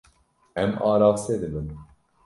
Em araste dibin.